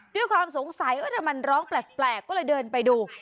ด้วยความสงสัยทำไมร้องแปลกก็เลยเดินไปดู